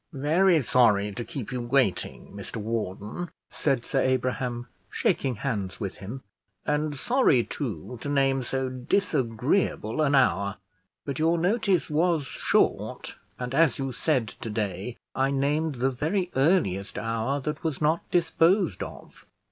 "Very sorry to keep you waiting, Mr Warden," said Sir Abraham, shaking hands with him; "and sorry, too, to name so disagreeable an hour; but your notice was short, and as you said to day, I named the very earliest hour that was not disposed of."